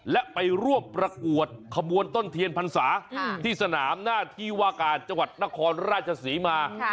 และไปร่วมประกวดขบวนต้นเทียนพรรษาที่สนามหน้าที่ว่าการจังหวัดนครราชศรีมา